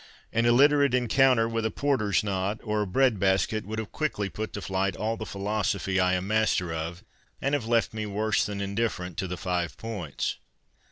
An illiterate encounter with a porter's knot, or a bread basket, would have quickly put to flight all the philosophy I am master of, and have left me worse than indifferent to the five points.'